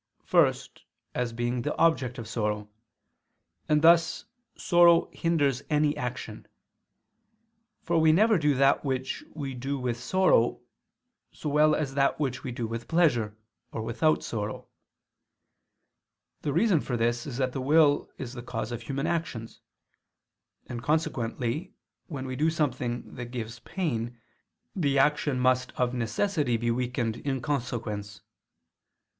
First, as being the object of sorrow: and thus sorrow hinders any action: for we never do that which we do with sorrow, so well as that which we do with pleasure, or without sorrow. The reason for this is that the will is the cause of human actions: and consequently when we do something that gives pain, the action must of necessity be weakened in consequence.